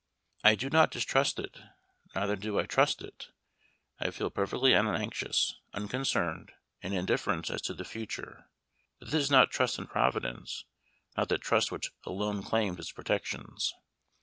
I do not _dis_trust it neither do I trust it. I feel perfectly unanxious, unconcerned, and indifferent as to the future; but this is not trust in Providence not that trust which alone claims it protections.